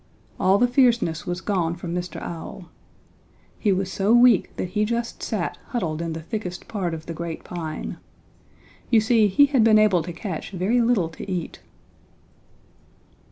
All the fierceness was gone from Mr. Owl. He was so weak that he just sat huddled in the thickest part of the great pine. You see he had been able to catch very little to eat.